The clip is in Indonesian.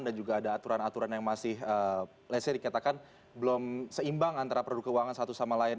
dan juga ada aturan aturan yang masih let's say dikatakan belum seimbang antara produk keuangan satu sama lain